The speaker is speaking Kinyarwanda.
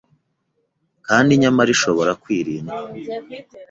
kandi nyamara ishobora kwirindwa.”